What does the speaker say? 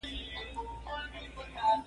د نظار شورا بل اعتباري کرکټر امرالله صالح دی.